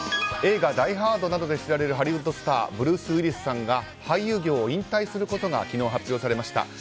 映画「ダイ・ハード」などで知られるブルース・ウィリスさんが俳優業を引退することが昨日、発表されました。